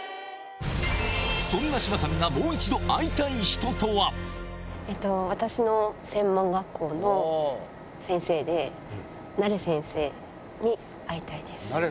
そんな志麻さんがもう一度会私の専門学校の先生で、ナレ先生に会いたいです。